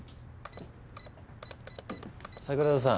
桜田さん。